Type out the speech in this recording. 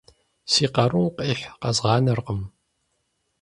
Си къарум къихь къэзгъанэркъым.